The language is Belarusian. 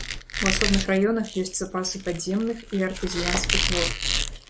У асобных раёнах ёсць запасы падземных і артэзіянскіх вод.